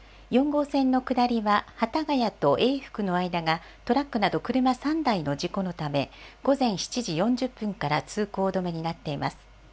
４号線の下りは、幡ヶ谷と永福の間がトラックなど車３台の事故のため、午前７時４０分から通行止めになっています。